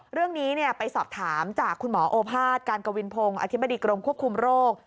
เรื่องนี้ไปสอบถามจากคุณหมอโอภาษการกวินพงศ์อธิบดีกรมควบคุมโรค